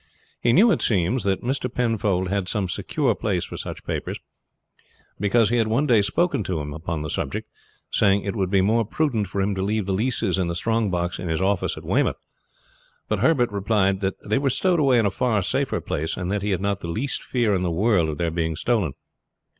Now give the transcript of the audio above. He knew, it seems, that Mr. Penfold had some secure place for such papers, because he had one day spoken to him upon the subject, saying it would be more prudent for him to leave the leases in the strong box in his office at Weymouth. But Herbert replied that they were stowed away in a far safer place, and that he had not the least fear in the world of their being stolen.